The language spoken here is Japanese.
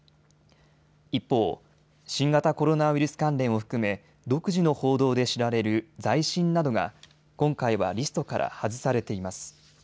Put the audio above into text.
一方、新型コロナウイルス関連を含め独自の報道で知られる財新などが今回はリストから外されています。